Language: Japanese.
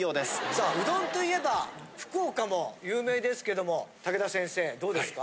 さあうどんと言えば福岡も有名ですけども武田先生どうですか？